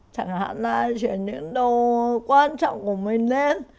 chẳng hạn là chuyển những đồ quan trọng của mình lên